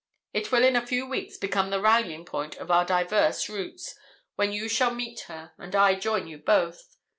It will in a few weeks become the rallying point of our diverse routes, when you shall meet her, and I join you both.